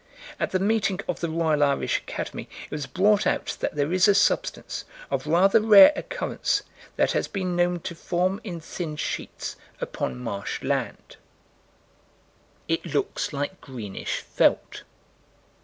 At the meeting of the Royal Irish Academy it was brought out that there is a substance, of rather rare occurrence, that has been known to form in thin sheets upon marsh land. It looks like greenish felt.